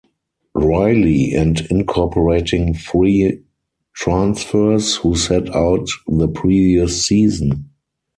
Riley and incorporating three transfers who sat out the previous season.